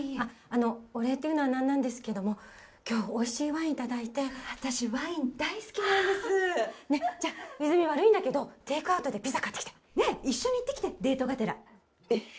お礼というのは何なんですけども今日おいしいワインいただいて私ワイン大好きなんですじゃあ泉悪いんだけどテイクアウトでピザ買ってきてねえ一緒に行ってきてデートがてらえっ！？